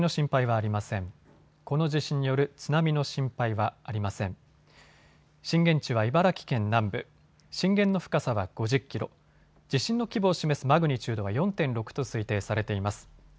震源の深さは５０キロ、地震の規模を示すマグニチュードは４．６と推定されています。